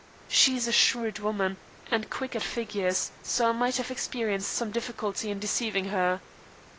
She is a shrewd woman, and quick at figures, so I might have experienced some difficulty in deceiving her.